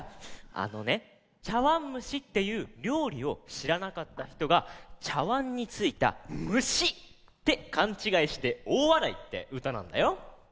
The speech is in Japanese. あのね「ちゃわんむし」っていうりょうりをしらなかったひとがちゃわんについた「むし」ってかんちがいしておおわらいってうたなんだよ。